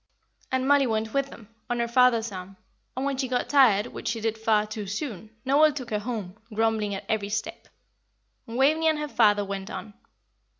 And Mollie went with them, on her father's arm; and when she got tired, which she did far too soon, Noel took her home, grumbling at every step, and Waveney and her father went on.